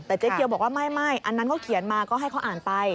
แต่เจ๊เกียวบอกว่าไม่อันนั้นเขาเขียนมาก็ให้เขาอ่านไป